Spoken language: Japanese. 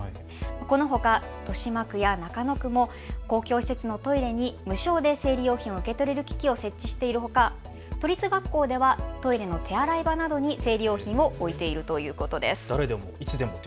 このほか豊島区や中野区も公共施設のトイレに無償で生理用品を受け取れる機器を設置しているほか、都立学校ではトイレの手洗い場などに生理用品を置いているということです。